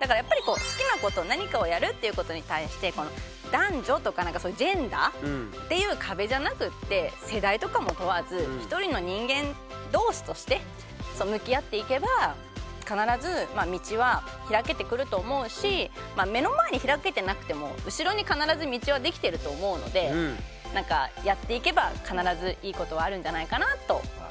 だからやっぱり好きなこと何かをやるっていうことに対して男女とかジェンダーっていう壁じゃなくって世代とかも問わず一人の人間同士として向き合っていけば必ず道は開けてくると思うし目の前に開けてなくても後ろに必ず道はできてると思うのでやっていけば必ずいいことはあるんじゃないかなと思います。